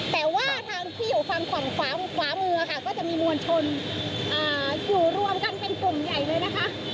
แต่ว่าทางที่อยู่ฝั่งขวามือค่ะก็จะมีมวลชนอยู่รวมกันเป็นกลุ่มใหญ่เลยนะคะ